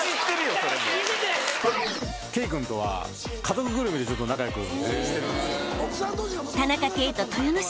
圭君とは家族ぐるみでちょっと仲良くしてるんですよ。